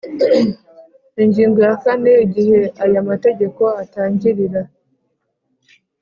Ingingo ya kane Igihe aya mategeko atangirira